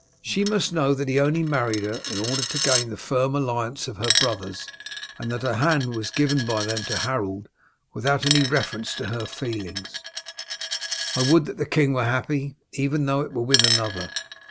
She must know that he only married her in order to gain the firm alliance of her brothers, and that her hand was given by them to Harold without any reference to her feelings. I would that the king were happy, even though it were with another.